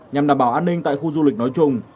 nhằm đảm bảo an ninh tại khu du lịch nói chung